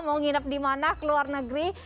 mau nginep di mana keluar negeri